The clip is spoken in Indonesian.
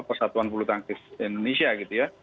persatuan pulutangkis indonesia gitu ya